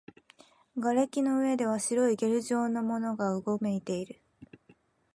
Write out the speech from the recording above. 瓦礫の上では白いゲル状のものがうごめいている